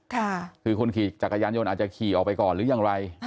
คือคนขี่จักรยานยนต์อาจจะขี่ออกไปก่อนหรือยังไร